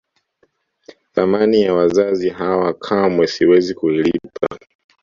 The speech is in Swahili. Thamani ya wazazi hawa kamwe siwezi kuilipa